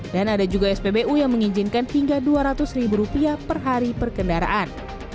dan ada juga spbu yang mengizinkan hingga rp dua ratus per hari perkendaraan